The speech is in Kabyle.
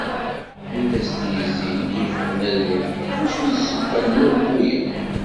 Wid i as-d-yezzin i d-ffɣen ad walin d acu d ssebba n wabbu-a.